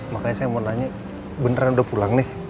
makanya saya mau nanya beneran udah pulang nih